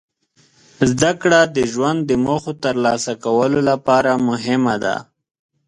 زدهکړه د ژوند د موخو ترلاسه کولو لپاره مهمه ده.